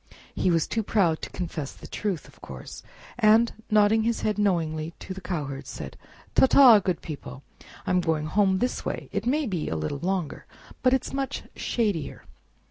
He was too proud to confess the truth, of course, and, nodding his head knowingly to the cowherds, said: "Ta ta, good people! I am going home this way. It may be a little longer, but it's much shadier."